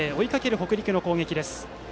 北陸の攻撃です。